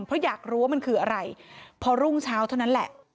เพราะอยากรู้ว่ามันคืออะไรพอรุ่งเช้าเท่านั้นแหละ